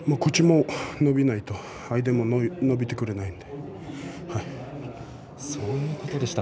こちらものびないと相手ものびてくれないので。